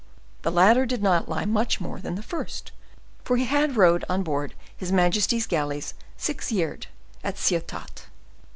The latter did not lie much more than the first, for he had rowed on board his majesty's galleys six years, at Ciotat.